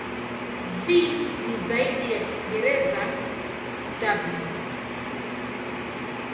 V ni zaidi ya Kiingereza "w".